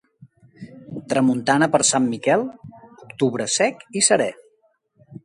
Tramuntana per Sant Miquel, octubre sec i serè.